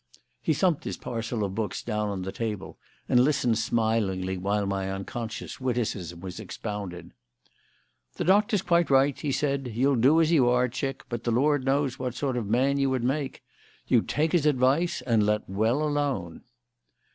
He thumped his parcel of books down on the table and listened smilingly while my unconscious witticism was expounded. "The Doctor's quite right," he said. "You'll do as you are, chick; but the Lord knows what sort of man you would make. You take his advice and let well alone."